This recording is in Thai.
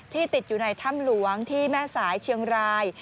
ติดอยู่ในถ้ำหลวงที่แม่สายเชียงราย